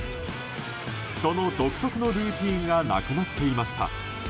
その独特のルーティンがなくなっていました。